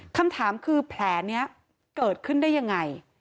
คำถามคือแผลนี้เกิดขึ้นได้ยังไง